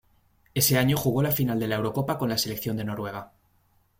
Ese año jugó la final de la Eurocopa con la Selección de Noruega.